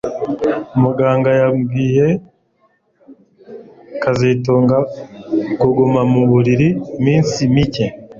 Muganga yabwiye kazitunga kuguma mu buriri iminsi mike